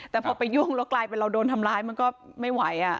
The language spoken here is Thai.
แต่พอไปยุ่งแล้วกลายเป็นเราโดนทำร้ายมันก็ไม่ไหว